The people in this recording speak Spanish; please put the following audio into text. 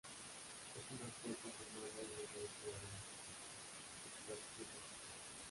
Es un escolta formado en la universidad de Mississippi State Bulldogs.